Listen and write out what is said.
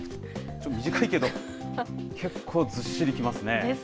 短いけど、結構ずっしりきますね。